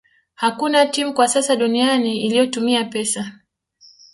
Hakuna timu kwa sasa duniani iliyotumia pesa